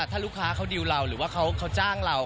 ถ้าลูกค้าเขาดิวเราหรือว่าเขาจ้างเรา